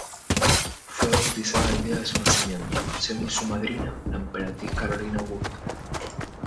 Fue bautizada el día de su nacimiento, siendo su madrina la emperatriz Carolina Augusta.